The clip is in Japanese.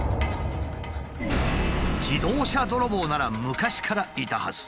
自動車泥棒なら昔からいたはず。